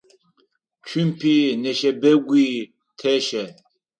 Цумпи нэшэбэгуи тэщэ.